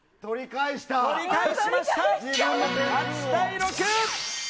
取り返しました、８対６！